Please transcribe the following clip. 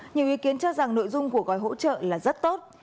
nhiều ý kiến cho rằng nội dung của gói hỗ trợ là rất tốt